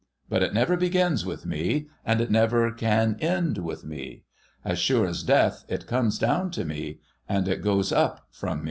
But it never begins with me, and it never can end with me. As sure as Death, it comes down to me, and it goes up from me.'